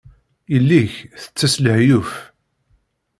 Yelli-k tettess lehyuf.